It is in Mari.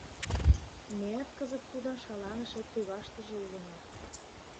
Меат кызыт тудын шаланыше тӧваштыже улына.